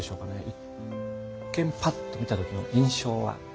一見パッと見た時の印象は？